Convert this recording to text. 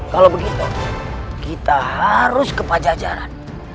kalau begitu kita harus ke pajajaran